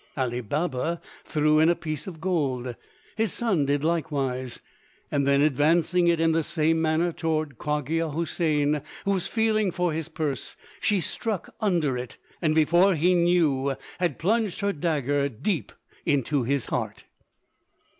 Ali Baba threw in a piece of gold; his son did likewise. Then advancing it in the same manner toward Cogia Houssain, who was feeling for his purse, she struck under it, and before he knew had plunged her dagger deep into his heart.